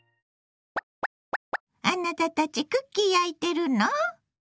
あなたたちクッキー焼いてるの？